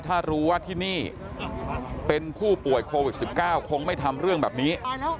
ถ้ารู้ว่าที่นี่เป็นผู้ป่วยโควิด๑๙คงไม่ทำเรื่องแบบนี้